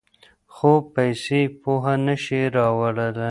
خو پیسې پوهه نه شي راوړلی.